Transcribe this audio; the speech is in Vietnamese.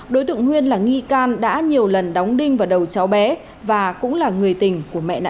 đối tượng huyên là nghi can đã nhiều lần đóng đinh vào đầu cháu bé và cũng là người tình của mẹ nạn nhân